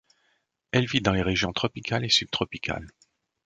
Elle vit dans les régions tropicales et subtropicales.